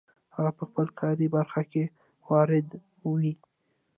هغه په خپله کاري برخه کې وارد وي.